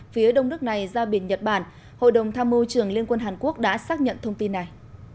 phía đông nước này ra biển nhật bản hội đồng tham mưu trưởng liên quân hàn quốc đã xác nhận thông tin này